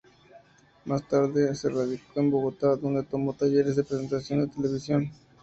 Más tarde, se radicó en Bogotá, donde tomó talleres de presentación de televisión.